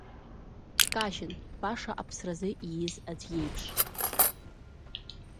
Дкажьын, баша аԥсразы ииз аӡәы еиԥш.